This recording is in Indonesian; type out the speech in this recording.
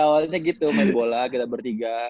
awalnya gitu main bola kita bertiga